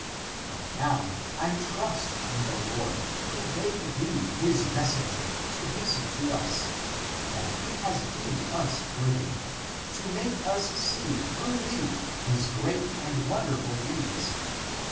But now I trust in the Lord, who bade thee his messenger to hasten to us, that he has deemed us worthy, to make us see through thee his great and wonderful deeds.